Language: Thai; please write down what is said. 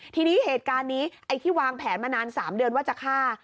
ทีนี้เหตุการณ์นี้ไอ้ที่วางแผนมานาน๓เดือนว่าจะฆ่า